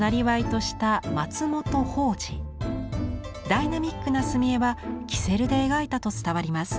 ダイナミックな墨絵はキセルで描いたと伝わります。